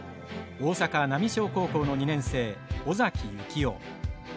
大阪浪商高校の２年生尾崎行雄。